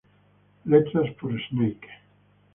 Letras por Snake.